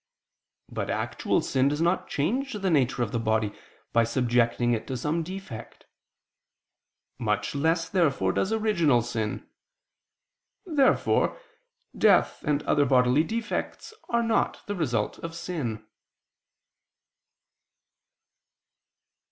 But actual sin does not change the nature of the body by subjecting it to some defect. Much less, therefore, does original sin. Therefore death and other bodily defects are not the result of sin.